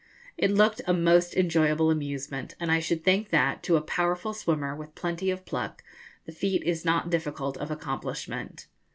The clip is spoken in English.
It looked a most enjoyable amusement, and I should think that, to a powerful swimmer, with plenty of pluck, the feat is not difficult of accomplishment.